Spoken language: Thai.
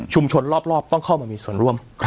รอบต้องเข้ามามีส่วนร่วม